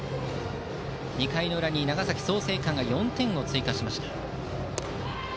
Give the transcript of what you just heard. ２回裏に長崎・創成館が４点追加しました。